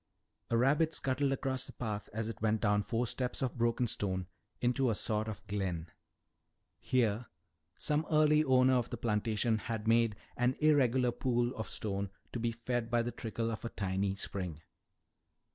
A rabbit scuttled across the path as it went down four steps of broken stone into a sort of glen. Here some early owner of the plantation had made an irregular pool of stone to be fed by the trickle of a tiny spring.